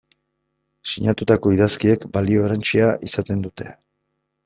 Sinatutako idazkiek balio erantsia izaten dute.